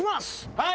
はい！